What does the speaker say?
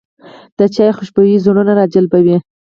د چای خوشبويي زړونه راجلبوي